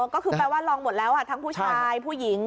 ก็คือแปลว่าลองหมดแล้วทั้งผู้ชายผู้หญิง